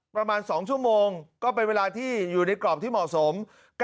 ประมาณ๒ชั่วโมงก็เป็นเวลาที่อยู่ในกรอบที่เหมาะสม